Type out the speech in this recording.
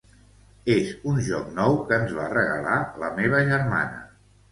És un joc nou que ens va regalar la meva germana.